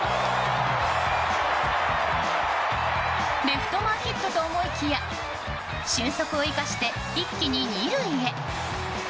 レフト前ヒットと思いきや俊足を生かして一気に２塁へ。